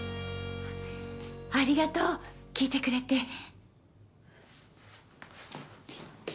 ありがとう聴いてくれて！